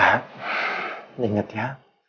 sahab inget ya